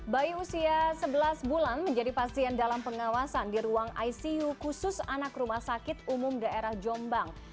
bayi usia sebelas bulan menjadi pasien dalam pengawasan di ruang icu khusus anak rumah sakit umum daerah jombang